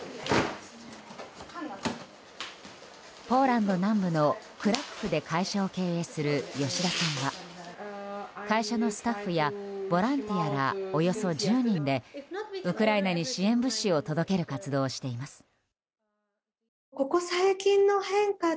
ポーランド南部のクラクフで会社を経営する吉田さんは会社のスタッフやボランティアらおよそ１０人でウクライナに支援物資を届ける活動をしています。